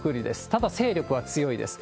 ただ、勢力は強いです。